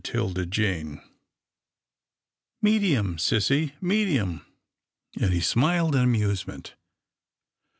332 'TILDA JANE'S ORPHANS " Medium sissy, medium," and he smiled in amusement.